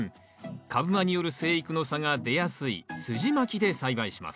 株間による生育の差が出やすいすじまきで栽培します。